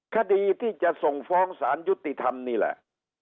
คดีที่จะส่งฟ้องสารยุติธรรมนี่แหละ